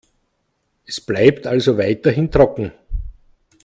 Es bleibt also weiterhin trocken.